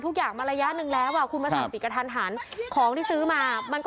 ทุกอย่างมาระยะนึงแล้วคุณมาสั่งปิดกันทัน